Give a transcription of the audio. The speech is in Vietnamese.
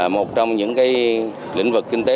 một trong những lĩnh vực kinh tế